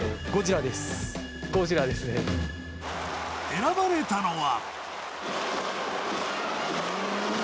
選ばれたのは。